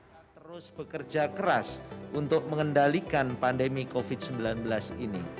kita terus bekerja keras untuk mengendalikan pandemi covid sembilan belas ini